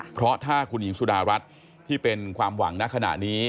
เพราะถ้าคุณหญิงสุดารัฐที่เป็นความหวังณขณะนี้